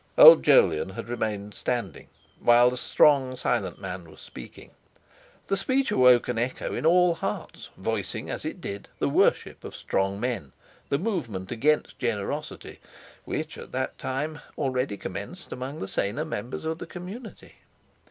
Old Jolyon had remained standing while the strong, silent man was speaking. The speech awoke an echo in all hearts, voicing, as it did, the worship of strong men, the movement against generosity, which had at that time already commenced among the saner members of the community.